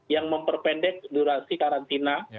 yang memperpendek durasi karantina